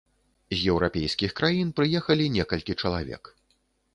З еўрапейскіх краін прыехалі некалькі чалавек.